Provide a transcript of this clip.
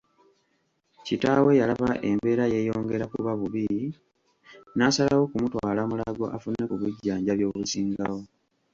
Kitaawe yalaba embeera yeeyongera kuba bubi n’asalawo kumutwala Mulago afune ku bujjanjabi obusingawo.